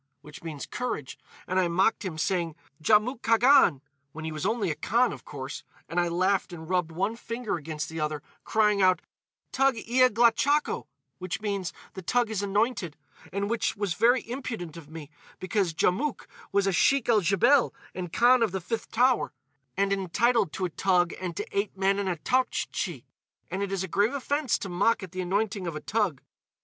which means, 'Courage,' and I mocked him, saying, 'Djamouk Khagan,' when he was only a Khan, of course; and I laughed and rubbed one finger against the other, crying out, 'Toug ia glachakho!' which means, 'The toug is anointed.' And which was very impudent of me, because Djamouk was a Sheik el Djebel and Khan of the Fifth Tower, and entitled to a toug and to eight men and a Toughtchi. And it is a grave offence to mock at the anointing of a toug."